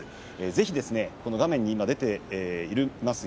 ぜひ画面に出ています